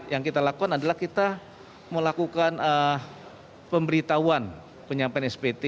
yang kita lakukan adalah kita melakukan pemberitahuan penyampaian spt